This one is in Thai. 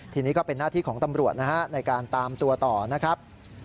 ทีนี้ก็เป็นหน้าที่ของตำรวจนะฮะในการตามตัวต่อนะครับ